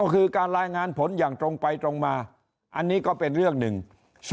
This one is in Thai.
ก็คือการรายงานผลอย่างตรงไปตรงมาอันนี้ก็เป็นเรื่องหนึ่ง